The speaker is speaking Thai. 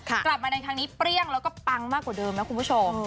กลับมาในครั้งนี้เปรี้ยงแล้วก็ปังมากกว่าเดิมนะคุณผู้ชม